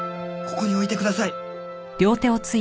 ここに置いてください！